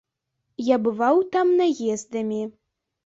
Я бываў там наездамі.